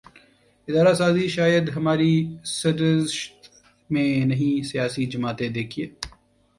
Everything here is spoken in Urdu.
ادارہ سازی شاید ہماری سرشت میں نہیں سیاسی جماعتیں دیکھیے